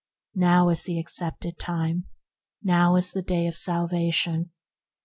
"Now is the accepted time; now is the day of salvation."